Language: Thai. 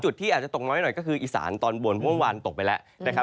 จุดที่อาจจะตกน้อยหน่อยก็คืออีสานตอนบนเมื่อวานตกไปแล้วนะครับ